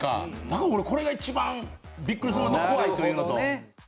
だから俺これが一番ビックリするのと怖いというのと。